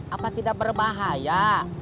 apa tidak berbahaya